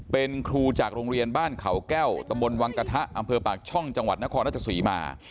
เป็นครูจากโรงเรียนบ้านเขาแก้วตมวังกะทะอปะกช่องจังหมา